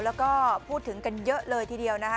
แล้วก็พูดถึงกันเยอะเลยทีเดียวนะคะ